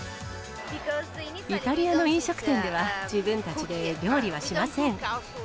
イタリアの飲食店では、自分たちで料理はしません。